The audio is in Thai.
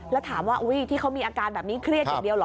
แล้วถามว่าที่เขามีอาการแบบนี้เครียดอย่างเดียวเหรอ